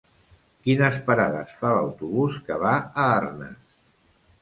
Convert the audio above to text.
Quines parades fa l'autobús que va a Arnes?